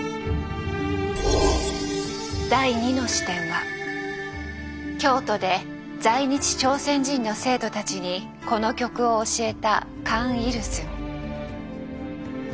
第２の視点は京都で在日朝鮮人の生徒たちにこの曲を教えたカン・イルスン。